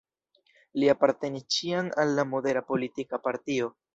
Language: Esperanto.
Li apartenis ĉiam al la modera politika partio.